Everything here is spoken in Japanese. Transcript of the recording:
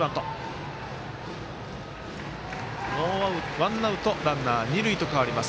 ワンアウト、ランナー、二塁と変わります。